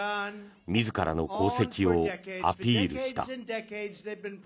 自らの功績をアピールした。